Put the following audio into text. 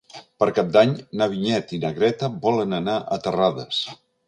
Per Cap d'Any na Vinyet i na Greta volen anar a Terrades.